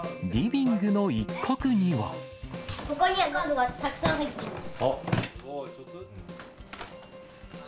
ここにカードがたくさん入っています。